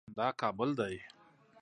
دا کابل دی